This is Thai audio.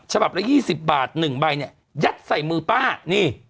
ฉบับละ๒๐บาท๑ใบเนี่ยยัดใส่มือป้านี่